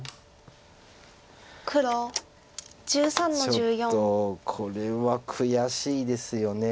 ちょっとこれは悔しいですよね。